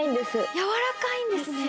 やわらかいんですね？